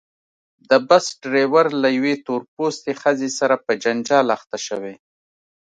د بس ډریور له یوې تور پوستې ښځې سره په جنجال اخته شوی.